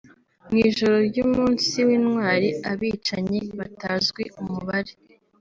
Mu ijoro ry’umunsi w’intwali abicanyi batazwi umubare